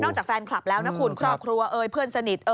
จากแฟนคลับแล้วนะคุณครอบครัวเอ่ยเพื่อนสนิท